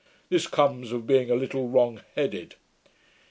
This comes of being a little wrong headed.'